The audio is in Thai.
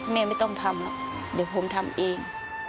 แม่ไม่ต้องทำเดี๋ยวผมทำเอง